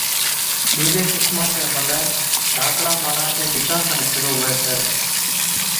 ڏُوجي قِسما چَي ملَي ڌاڪڙان ٻاڙان چي گِٽان کن شرُوع هُوَي ڇَي،